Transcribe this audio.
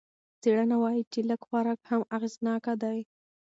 څېړنه وايي چې لږ خوراک هم اغېزناکه دی.